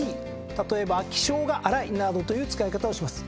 例えば気性が荒いなどという使い方をします。